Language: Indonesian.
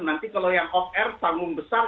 nanti kalau yang off air tanggung besar